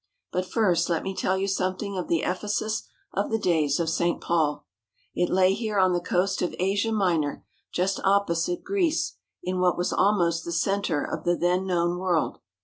But first let me tell you something of the Ephesus of the days of St. Paul. It lay here on the coast of Asia Minor, just opposite Greece, in what was almost the centre of the then known world.